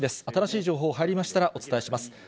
新しい情報、入りましたらお伝えします。